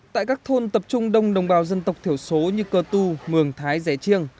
tại các thôn tập trung đông đồng bào dân tộc thiểu số như cơ tu mường thái rẻ chiêng